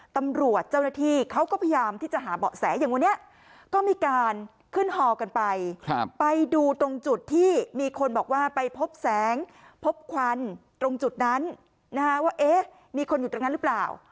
ตำรวจเจ้าหน้าที่เขาก็พยายามที่จะหาเบาะแสอย่างวันนี้ก็มีการขึ้นฮอกันไปไปดูตรงจุดที่มีคนบอกว่าไปพบแสงพบควันตรงจุดนั้นว่าเอ๊ะมีคนอยู่ตรงนั้นหรือเปล่า